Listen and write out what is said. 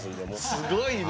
すごいな。